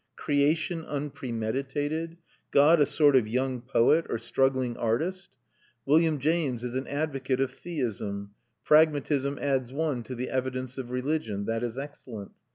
Creation unpremeditated? God a sort of young poet or struggling artist? William James is an advocate of theism; pragmatism adds one to the evidences of religion; that is excellent.